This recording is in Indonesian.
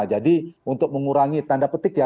jadi untuk mengurangi tanda petik ya